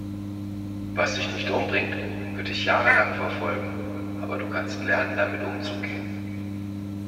Was dich nicht umbringt, wird dich jahrelang verfolgen, aber du kannst lernen, damit umzugehen.